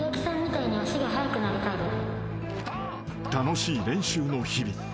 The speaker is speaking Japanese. ［楽しい練習の日々。